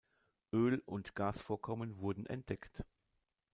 Öl- und Gasvorkommen wurden entdeckt.